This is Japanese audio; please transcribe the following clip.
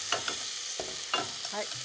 はい。